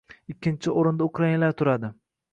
ikkinchi o‘rinda ukrainlar turadi.